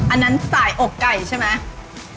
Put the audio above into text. อันนั้นสายอกไก่ใช่ไหม